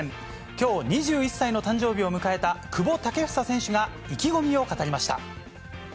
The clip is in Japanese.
きょう２１歳の誕生日を迎えた久保建英選手が、意気込みを語りました。